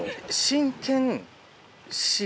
真剣。